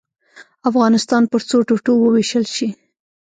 افغانستان پر څو ټوټو ووېشل شي.